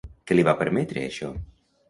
Què li va permetre això?